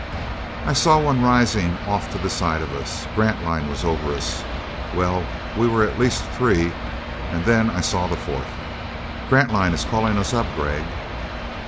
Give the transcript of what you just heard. I saw one rising off to the side of us. Grantline was over us. Well, we were at least three. And then I saw the fourth. "Grantline is calling us up, Gregg."